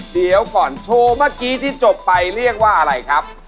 เดี๋ยวก่อนโชว์เมื่อกี้ที่จบไปเรียกว่าอะไรครับ